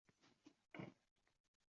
Djosg – aqliy buzilishlarning alomatimi?